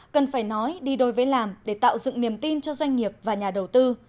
cần phải nói đi đôi với làm để tạo dựng niềm tin cho doanh nghiệp và nhà đầu tư